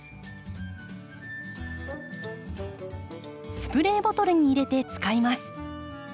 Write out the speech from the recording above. スプレーボトルに入れて使います。